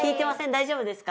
大丈夫ですか？